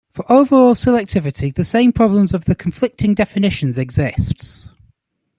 For overall selectivity the same problem of the conflicting definitions exists.